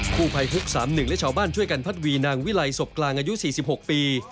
ผู้ภัยฮุก๓๑และชาวบ้านช่วยกันพัดวีนางวิลัยศพกลางอายุ๔๖ปี